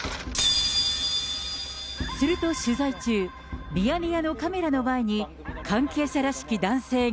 すると取材中、ミヤネ屋のカメラの前に、関係者らしき男性が。